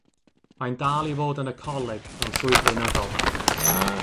Mae'n dal i fod yn y coleg mewn swydd weinyddol.